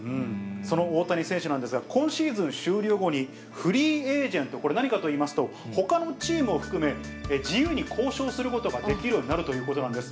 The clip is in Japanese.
その大谷選手なんですが、今シーズン終了後に、フリーエージェント、これ、何かといいますと、ほかのチームを含め、自由に交渉することができるようになるということなんです。